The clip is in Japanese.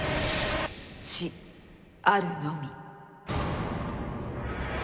死あるのみ。